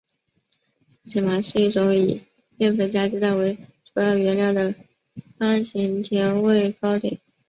萨其马是一种以面粉加鸡蛋为主要原料的方形甜味糕点。